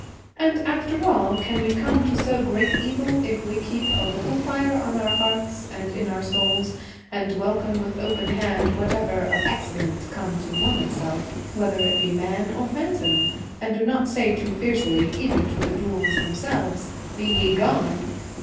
And after all, can we come to so great evil if we keep a little fire on our hearths and in our souls, and welcome with open hand whatever of excellent come to warm itself, whether it be man or phantom, and do not say too fiercely, even to the dhouls them selves, ' Be ye gone